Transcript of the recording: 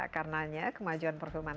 karenanya kemajuan perfilman